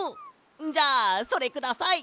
じゃあそれください！